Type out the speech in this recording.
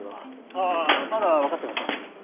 ああまだわかっていません。